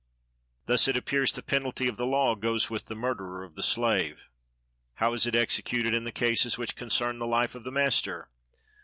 Thus, it appears, the penalty of the law goes with the murderer of the slave. How is it executed in the cases which concern the life of the master?